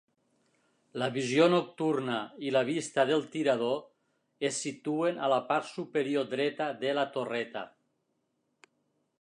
La visió nocturna i la vista del tirador es situen a la part superior dreta de la torreta.